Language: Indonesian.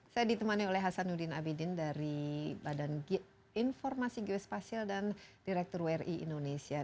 saya ditemani oleh hasanuddin abidin dari badan informasi geospasial dan direktur wri indonesia